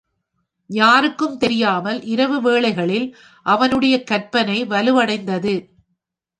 யாருக்கும் தெரியாமல், இரவு வேலைகளில் அவனுடைய கற்பனை வலுவடைந்தது.